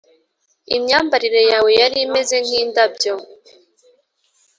imyambarire yawe yari imeze nk'indabyo,